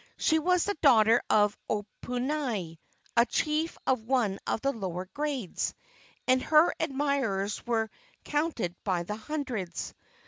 She was the daughter of Oponui, a chief of one of the lower grades, and her admirers were counted by the hundreds.